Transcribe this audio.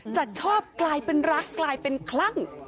จะชอบกลายเป็นรักกลายเป็นคลั่ง